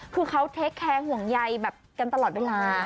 คือเขาเทคแคร์ห่วงใยแบบกันตลอดเวลา